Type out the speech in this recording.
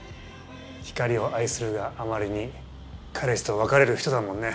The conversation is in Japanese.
光を愛するがあまりに彼氏と別れる人だもんね。